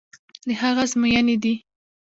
د هغه ازموینې دي.